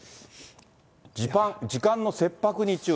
時間の切迫に注意。